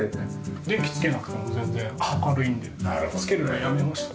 電気つけなくても全然明るいのでつけるのやめました。